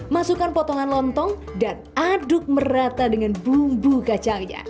masukkan potongan lontong dan aduk merata dengan bumbu kacangnya